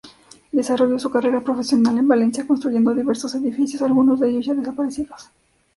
Desarrolló su carrera profesional en Valencia, construyendo diversos edificios, algunos de ellos ya desaparecidos.